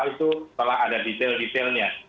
itu telah ada detail detailnya